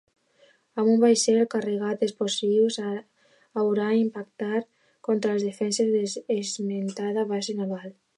Amb un vaixell carregat d'explosius haurà d'impactar contra les defenses de l'esmentada base naval.